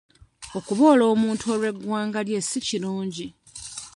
Okuboola omuntu olw'eggwanga lye si kirungi